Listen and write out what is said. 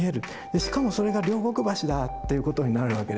しかもそれが両国橋だっていうことになるわけですよね。